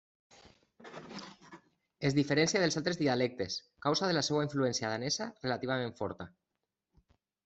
Es diferencia dels altres dialectes, causa de la seva influència danesa relativament forta.